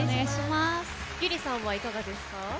ギュリさんはいかがですか？